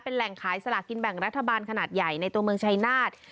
แหล่งขายสลากินแบ่งรัฐบาลขนาดใหญ่ในตัวเมืองชายนาฏ